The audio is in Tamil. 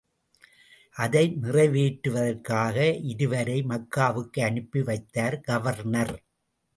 அதை நிறைவேற்றுவதற்காக இருவரை மக்காவுக்கு அனுப்பி வைத்தார் கவர்னர்.